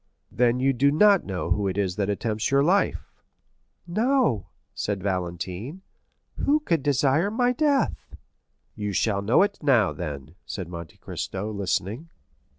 "Then you do not know who it is that attempts your life?" 50073m "No," said Valentine; "who could desire my death?" "You shall know it now, then," said Monte Cristo, listening.